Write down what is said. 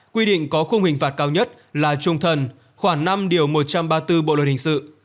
quy định có khung hình phạt cao nhất là trung thần khoảng năm điều một trăm ba mươi bốn bộ luật hình sự